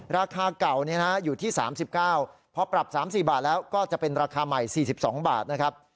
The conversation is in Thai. ราคาเก่าอยู่ที่๓๙พอปรับ๓๔บาทแล้วก็จะเป็นราคาใหม่๔๒บาทนะครับ